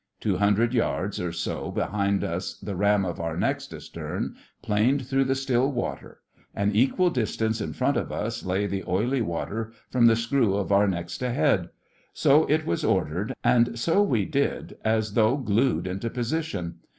Two hundred yards or so behind us the ram of our next astern planed through the still water; an equal distance in front of us lay the oily water from the screw of our next ahead. So it was ordered, and so we did, as though glued into position.